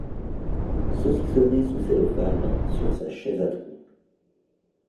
saucissonnée sous cellophane sur sa chaise à trou.